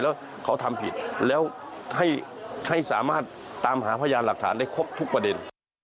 แล้วเขาทำผิดแล้วให้สามารถตามหาพยานหลักฐานได้ครบทุกประเด็น